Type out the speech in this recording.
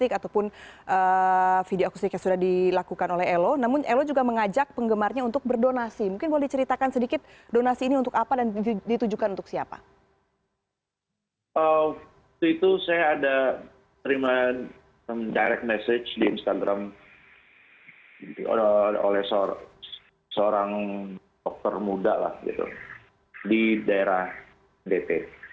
itu itu saya ada terima direct message di instagram oleh seorang dokter muda di daerah dt